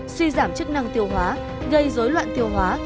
suy giảm chức năng tiêu hóa gây dối loạn tiêu hóa